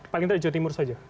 paling tidak di jawa timur saja